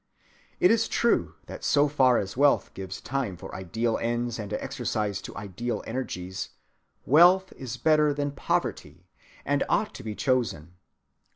It is true that so far as wealth gives time for ideal ends and exercise to ideal energies, wealth is better than poverty and ought to be chosen.